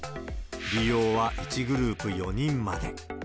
利用は１グループ４人まで。